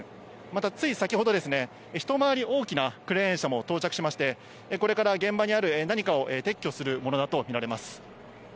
またつい先ほど、一回り大きなクレーン車も到着しまして、これから現場にある何かを撤去するものだと見られます。